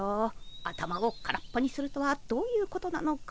頭を空っぽにするとはどういうことなのか。